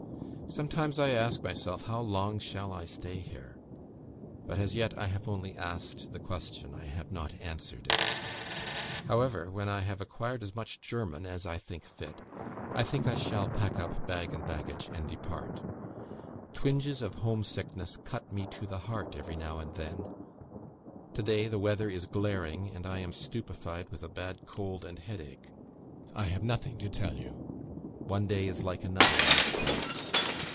Sometimes I ask myself how long shall I stay here; but as yet I have only asked the question; I have not answered it. However, when I have acquired as much German as I think fit, I think I shall pack up bag and baggage and depart. Twinges of home sickness cut me to the heart, every now and then. To day the weather is glaring, and I am stupified with a bad cold and headache. I have nothing to tell you. One day is like another in this place.